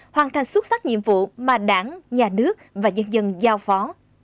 hoàn thành xuất sắc nhiệm vụ mà đảng nhà nước và nhân dân giao phó